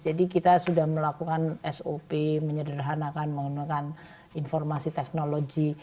jadi kita sudah melakukan sop menyederhanakan menggunakan informasi teknologi